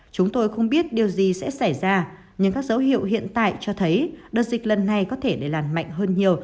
chúng tôi không biết điều gì sẽ xảy ra nhưng các dấu hiệu hiện tại cho thấy đợt dịch lần này có thể để làn mạnh hơn nhiều